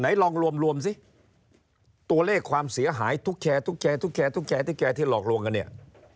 ไหนลองรวมซิตัวเลขความเสียหายทุกแคที่หลอกลงกันเนี่ย